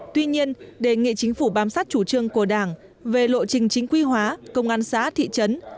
tuy nhiên đề nghị chính phủ bám sát chủ trương của đảng về lộ trình chính quy hóa công an xã thị trấn